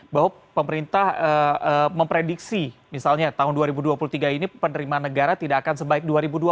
bahwa pemerintah memprediksi misalnya tahun dua ribu dua puluh tiga ini penerimaan negara tidak akan sebaik dua ribu dua puluh